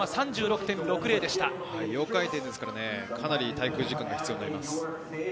４回転ですから、かなり滞空時間が必要になります。